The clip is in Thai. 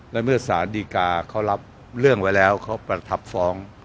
และเมื่อสารดีกาเขารับเรื่องไว้แล้วเขาประทับฟ้อง